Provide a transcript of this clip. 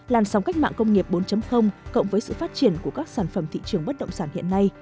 làn sóng cách mạng công nghiệp bốn cộng với sự phát triển của các sản phẩm thị trường bất động sản hiện nay